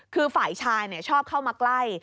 คือฝ่ายชายชอบเข้ามาใกล้